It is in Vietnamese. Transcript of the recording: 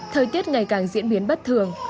thời tiết ngày càng diễn biến bất thường